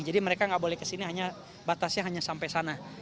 jadi mereka nggak boleh ke sini hanya batasnya hanya sampai sana